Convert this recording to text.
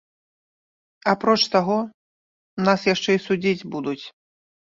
Апроч таго нас яшчэ і судзіць будуць.